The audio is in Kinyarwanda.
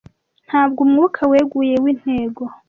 ntabwo umwuka weguye w'intego